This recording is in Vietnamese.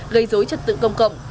gây dối trật tự công cộng